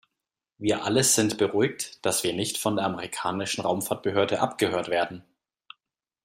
Wir alle sind beruhigt, dass wir nicht von der amerikanischen Raumfahrtbehörde abgehört werden.